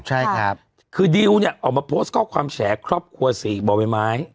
ใช่ครับคือดิวเนี่ยออกมาโพสต์ข้อความแฉครอบครัวสี่บ่อใบไม้